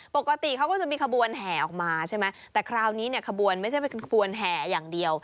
ปกติเขาก็จะมีขบวนแห่ออกมาใช่ไหมแต่คราวนี้เนี่ยขบวนไม่ใช่เป็นขบวนแห่อย่างเดียว